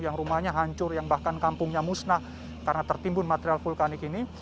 yang rumahnya hancur yang bahkan kampungnya musnah karena tertimbun material vulkanik ini